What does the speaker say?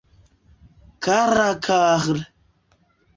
Kara Karl!